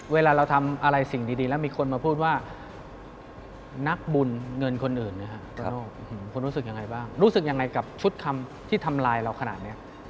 เวลาเราทำอะไรสิ่งดีแล้วมีคนมาพูดว่านักบุญเงินคนอื่นนะครับคุณรู้สึกยังไงบ้างรู้สึกยังไงกับชุดคำที่ทำลายเราขนาดนี้